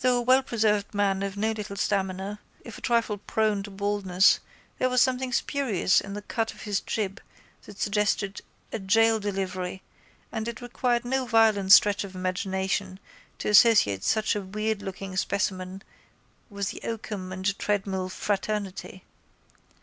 Though a wellpreserved man of no little stamina, if a trifle prone to baldness, there was something spurious in the cut of his jib that suggested a jail delivery and it required no violent stretch of imagination to associate such a weirdlooking specimen with the oakum and treadmill fraternity.